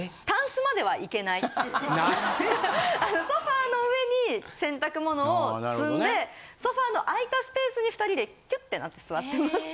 ソファの上に洗濯物を積んでソファの空いたスペースに２人でキュッてなって座ってます。